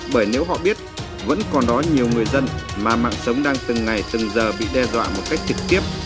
bởi nếu họ biết vẫn còn đó nhiều người dân mà mạng sống đang từng ngày từng giờ bị đe dọa một cách trực tiếp